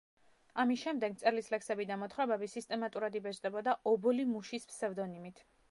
ამის შემდეგ მწერლის ლექსები და მოთხრობები სისტემატურად იბეჭდებოდა „ობოლი მუშის“ ფსევდონიმით.